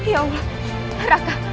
ya allah raka